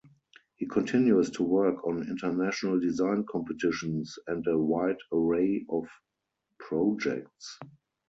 He continues to work on international design competitions and a wide array of projects.